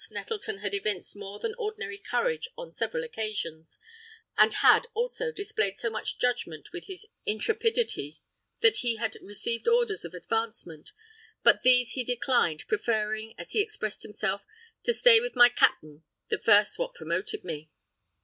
Nettleton had evinced more than ordinary courage on several occasions, and had, also, displayed so much judgment with his intrepidity, that he had received offers of advancement; but these he declined, preferring, as he expressed himself, "to stay with my capt'n, the first what promoted me."